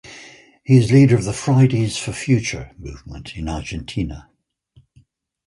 He is leader of the Fridays for Future Movement in Argentina.